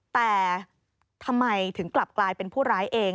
แต่ทำไมถึงกลับกลายเป็นผู้ร้ายเอง